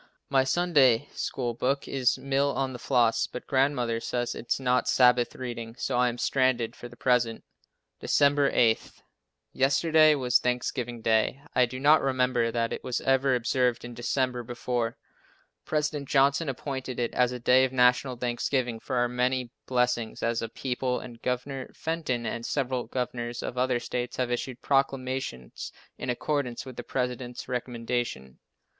My Sunday School book is "Mill on the Floss," but Grandmother says it is not Sabbath reading, so I am stranded for the present. December 8. Yesterday was Thanksgiving day. I do not remember that it was ever observed in December before. President Johnson appointed it as a day of national thanksgiving for our many blessings as a people, and Governor Fenton and several governors of other states have issued proclamations in accordance with the President's recommendation.